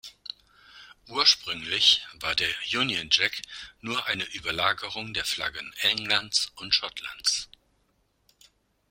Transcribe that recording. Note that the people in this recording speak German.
Ursprünglich war der Union Jack nur eine Überlagerung der Flaggen Englands und Schottlands.